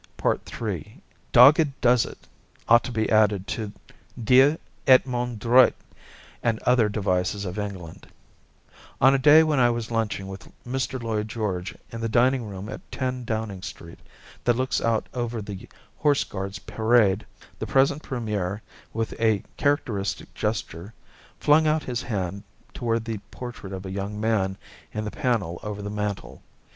III "Dogged does it" ought to be added to "Dieu et mon droit" and other devices of England. On a day when I was lunching with Mr. Lloyd George in the dining room at 10 Downing Street that looks out over the Horse Guards' Parade, the present premier, with a characteristic gesture, flung out his hand toward the portrait of a young man in the panel over the mantel.